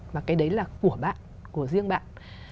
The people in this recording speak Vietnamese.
và cái đấy là của bạn của riêng bạn